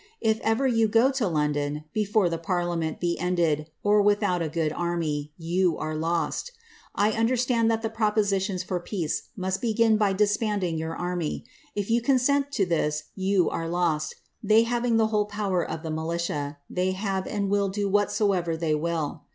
If ever yon |S ' to London before the parliament be ended, or without a good army, yoa aiS : lost. I understand that the propositions for peaoe must begin by disbanding army. If yon consent to this you are lost ; they having the whole power oft militia, they have and will do whatsoever they will.